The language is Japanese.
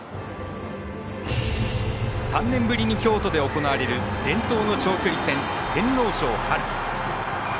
３年ぶりに京都で行われる伝統の長距離戦、天皇賞。